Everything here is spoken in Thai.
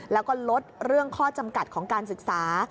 แล้วก็ลดเรื่องข้อจำกัดของการศึกษา